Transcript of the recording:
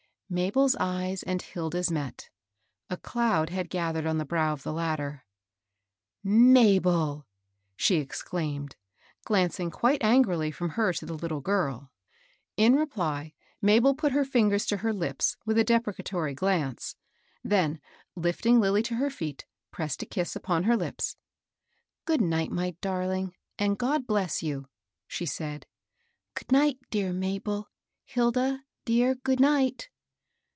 Mabel's eyes and Hilda's met. A cloud had gathered on the brow of the latter. " Mabel !" she exclaimed, glancing quite an grily fi'om her to the little girl. Li reply Mabel put her fingers to her lips with a deprecatory glance, then, lifting Lilly to her feet, pressed a kiss upon her lips. 72 MABEL ROSS. " Good night, my darling, and God bless you," she said. " Good night, dear Mabel. Hilda, dear, good night."